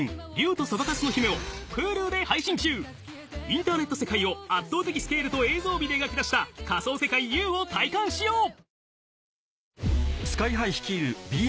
インターネット世界を圧倒的スケールと映像美で描き出した仮想世界Ｕを体感しよう！